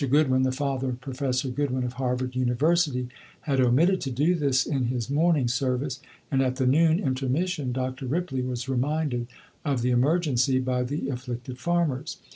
Goodwin (the father of Professor Goodwin, of Harvard University) had omitted to do this in his morning service, and at the noon intermission Dr. Ripley was reminded of the emergency by the afflicted farmers.